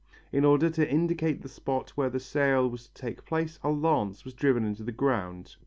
In order to indicate the spot where the sale was to take place a lance was driven into the ground.